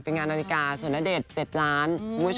นาฬิกาสวนเดชน์๗ล้าน